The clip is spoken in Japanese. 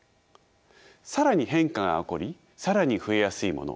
更に変化が起こり更に増えやすいもの